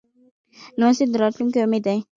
لمسی د راتلونکي امید دی.